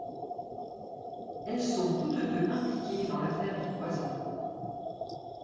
Elles sont toutes deux impliquées dans l'Affaire des poisons.